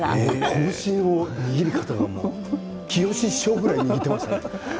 こぶしの握り方がもうきよし師匠ぐらい握ってましたね。